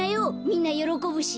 みんなよろこぶし。